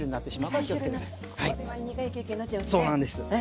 これは苦い経験になっちゃいますね。